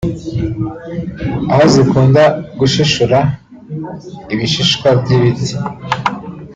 aho zikunda gushishura ibishishwa by’ibiti